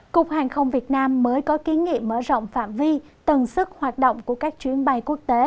cục hàng không việt nam mới có kiến nghị mở rộng phạm vi tần sức hoạt động của các chuyến bay quốc tế